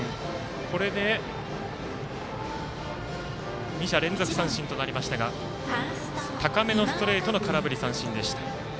これで２者連続三振となりましたが高めのストレートの空振り三振でした。